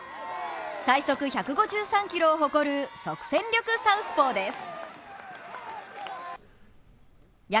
最速１５３キロを誇る即戦力サウスポーです。